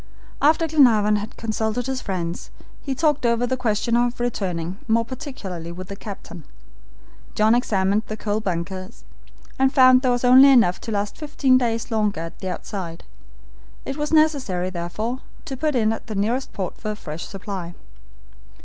After Glenarvan had consulted his friends, he talked over the question of returning, more particularly with the captain. John examined the coal bunkers, and found there was only enough to last fifteen days longer at the outside. It was necessary, therefore, to put in at the nearest port for a fresh supply.